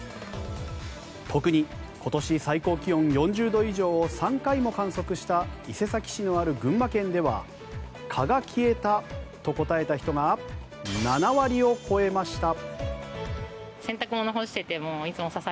特に今年、最高気温４０度以上を３回も観測した伊勢崎市のある群馬県では蚊が消えたと答えた人が７割を超えました。